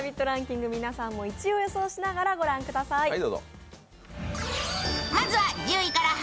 ランキング、皆さんも１位を予想しながらご覧ください。